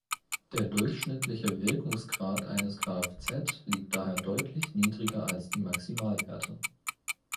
Der durchschnittliche Wirkungsgrad eines Kfz liegt daher deutlich niedriger als die Maximalwerte.